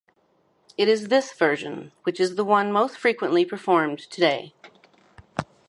It is this version which is the one most frequently performed today.